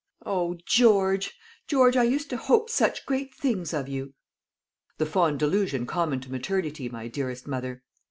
"Oh, George, George, I used to hope such great things of you!" "The fond delusion common to maternity, my dearest mother.